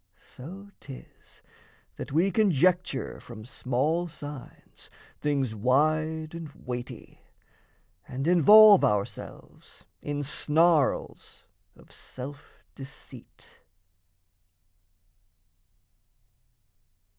So 'tis that we conjecture from small signs Things wide and weighty, and involve ourselves In snarls of self deceit.